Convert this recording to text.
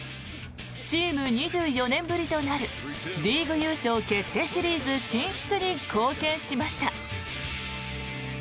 チーム２４年ぶりとなるリーグ優勝決定シリーズ進出に貢献しました。